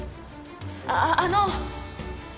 あっあの！